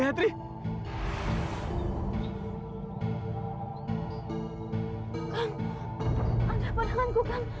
anda padamanku kan